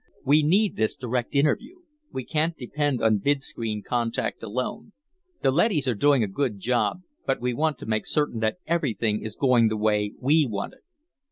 We need this direct interview; we can't depend on vidscreen contact alone. The leadys are doing a good job, but we want to make certain that everything is going the way we want it."